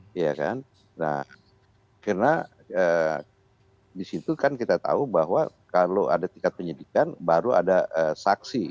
karena disitu kan kita tahu bahwa kalau ada tingkat penyidikan baru ada saksi